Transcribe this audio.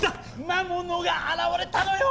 魔物が現れたのよ！